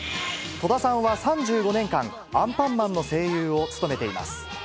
戸田さんは３５年間、アンパンマンの声優を務めています。